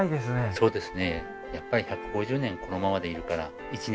そうですね